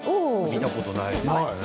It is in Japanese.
見たことない。